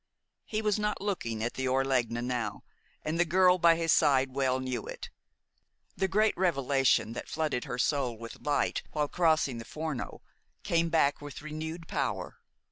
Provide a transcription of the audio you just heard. He was not looking at the Orlegna now, and the girl by his side well knew it. The great revelation that flooded her soul with light while crossing the Forno came back with renewed power.